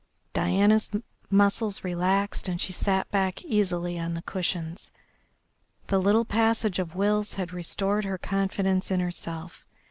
Diana's muscles relaxed and she sat back easily on the cushions, the little passage of wills had restored her confidence in herself.